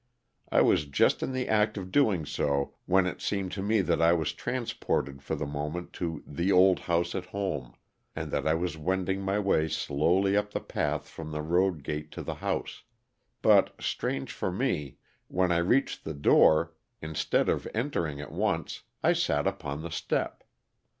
I was just in the act of doing so when it seemed to me that I was transported for the moment to "the old house at home," and that I was wending my way slowly up the path from the road gate to the house, but, strange for me, when I reached the door, instead of entering at once, I sat upon the step.